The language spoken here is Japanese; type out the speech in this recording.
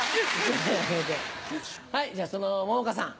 はいじゃその桃花さん。